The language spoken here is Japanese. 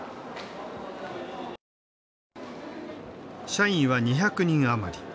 社員は２００人余り。